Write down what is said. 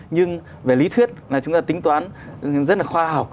nhưng về lý thuyết là chúng ta tính toán rất là khoa học